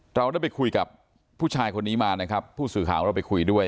เราได้ไปคุยกับผู้ชายคนนี้มานะครับผู้สื่อข่าวของเราไปคุยด้วย